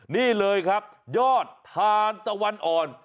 นี่เลยครับยอดทานตะวันอ่อน